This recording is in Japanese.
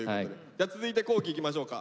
じゃ続いて皇輝いきましょうか。